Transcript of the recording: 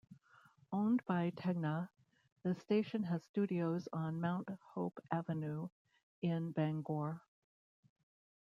Owned by Tegna, the station has studios on Mount Hope Avenue in Bangor.